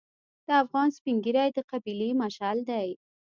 د افغان سپین ږیری د قبیلې مشعل دی.